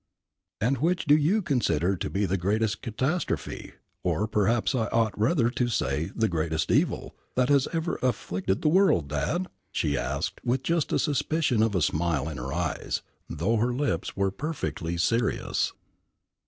"And which do you consider to be the greatest catastrophe, or, perhaps I ought rather to say the greatest evil, that has ever afflicted the world, Dad?" she asked, with just a suspicion of a smile in her eyes, though her lips were perfectly serious.